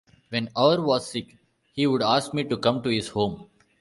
When Auer was sick, he would ask me to come to his home.